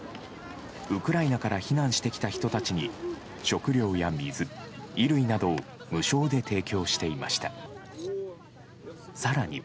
ウクライナから避難してきた人たちに食料や水、衣類などを無償で提供していました。